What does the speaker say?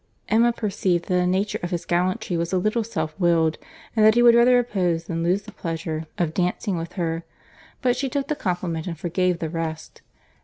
Emma perceived that the nature of his gallantry was a little self willed, and that he would rather oppose than lose the pleasure of dancing with her; but she took the compliment, and forgave the rest.